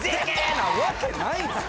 なわけないです